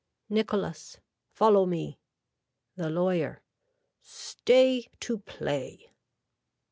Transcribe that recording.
(Nicholas.) Follow me. (The lawyer.) Stay to play.